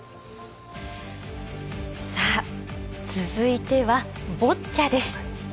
さあ、続いてはボッチャです。